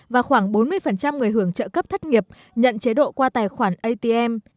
và khoảng bốn mươi người hưởng trợ cấp thất nghiệp nhận chế độ qua tài khoản atm